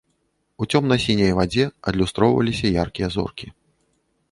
У цёмна-сіняй вадзе адлюстроўваліся яркія зоркі.